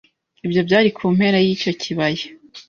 Ibyo byari ku mpera y'icyo kibaya